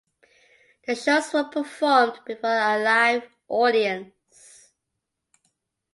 The shows were performed before a live audience.